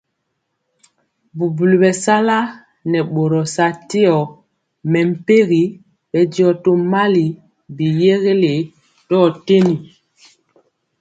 Bubuli bɛsala nɛ boro sa tyɛɔ mɛmpegi bɛndiɔ tomali biyeguelé dotytɛni.